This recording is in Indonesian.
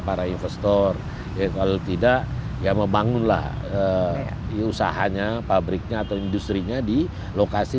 para investor ya kalau tidak ya membangunlah usahanya pabriknya atau industri nya di lokasi